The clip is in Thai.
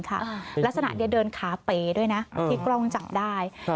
ลักษณะนี้เดินขาเป๋ด้วยนะที่กล้องจับได้